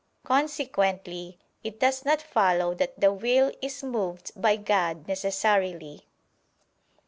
Consequently it does not follow that the will is moved by God necessarily.